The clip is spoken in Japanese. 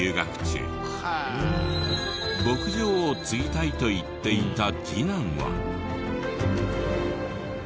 牧場を継ぎたいと言っていた次男は。